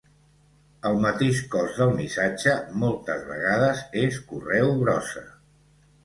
El mateix cos del missatge moltes vegades és correu brossa.